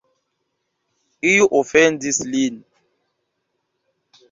Iu ofendis lin.